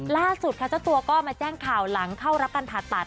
ล่าสุดค่ะเจ้าตัวก็มาแจ้งข่าวหลังเข้ารับการผ่าตัด